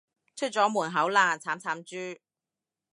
出咗門口喇，慘慘豬